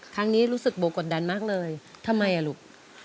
ครั้งนี้รู้สึกโบกดดันมากเลยทำไมลูก